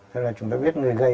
thế là chúng ta biết người gay